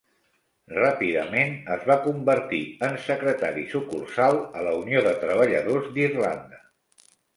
Ràpidament es va convertir en secretari sucursal a la Unió de Treballadors d'Irlanda.